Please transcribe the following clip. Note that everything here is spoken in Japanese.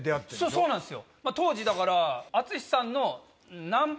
そうなんですよまぁ当時だから淳さんの。